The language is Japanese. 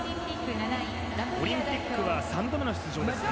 オリンピックは３度目の出場ですね。